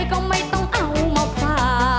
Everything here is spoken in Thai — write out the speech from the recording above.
ขอบคุณค่ะ